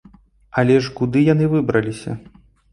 Але ж куды яны выбраліся?